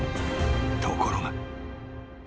［ところが］